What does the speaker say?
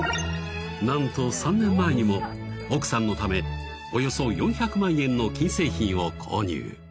なんと３年前にも奥さんのためおよそ４００万円の金製品を購入素敵